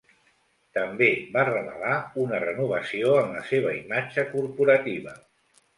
També, va revelar una renovació en la seva imatge corporativa.